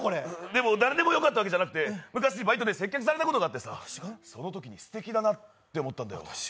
でも、誰でもよかったわけじゃなくて、昔、バイトで接客されたことがあってさそのときにすてきだなって思ったんだよ。